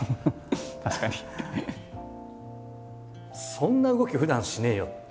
そんな動きふだんしねえよって。